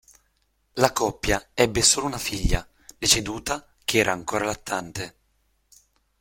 La coppia ebbe solo una figlia, deceduta che era ancora lattante.